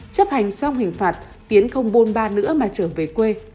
chấp hành xong hình phạt tiến không buôn ba nữa mà trở về quê